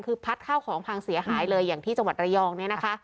คือพัดข้าวของพังเสียหายเลยอย่างที่จังหวัดระยองเนี่ยนะคะ